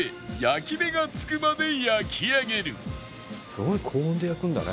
すごい高温で焼くんだね。